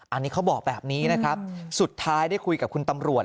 อันนี้เขาบอกแบบนี้นะครับสุดท้ายได้คุยกับคุณตำรวจ